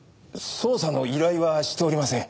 捜査の依頼はしておりません。